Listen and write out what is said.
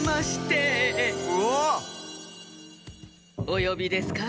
およびですか？